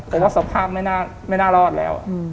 แต่ว่าสภาพไม่น่ารอดแล้ว